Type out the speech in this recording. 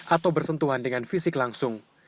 atau bersentuhan dengan fisik langsung